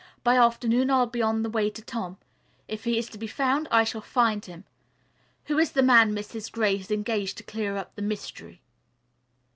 By afternoon I'll be on the way to Tom. If he is to be found, I shall find him. Who is the man Mrs. Gray has engaged to clear up the mystery?"